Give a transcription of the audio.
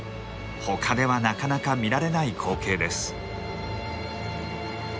他ではなかなか見られない光景です。